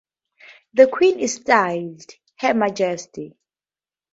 The Queen is styled "Her Majesty".